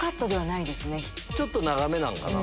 ちょっと長めなんかな。